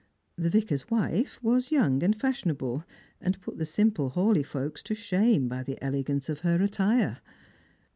The Vicar's wife was young and fashionable, and put the simple Hawleigh folks to shame by the elegance of her attire.